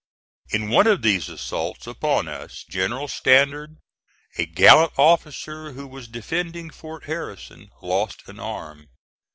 In one of these assaults upon us General Stannard, a gallant officer who was defending Fort Harrison, lost an arm.